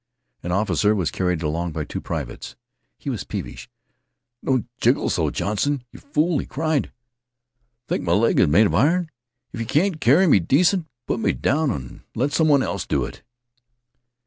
An officer was carried along by two privates. He was peevish. "Don't joggle so, Johnson, yeh fool," he cried. "Think m' leg is made of iron? If yeh can't carry me decent, put me down an' let some one else do it."